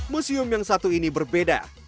museum yang satu ini berbeda